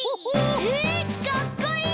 えかっこいい！